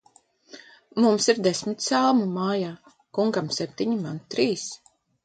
Mums ir desmit salmu mājā; kungam septiņi, man trīs.